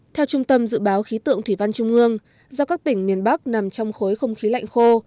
theo trung tâm dự báo khí tượng thủy văn trung ương do các tỉnh miền bắc nằm trong khối không khí lạnh khô